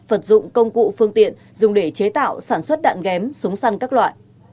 vật dụng công cụ phương tiện dùng để chế tạo sản xuất đạn ghém súng săn các loại